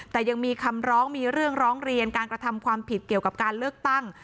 แต่ยังมีคำร้องมีเรื่องร้องเรียนการกระทำความผิดเกี่ยวกับการเลือกตั้ง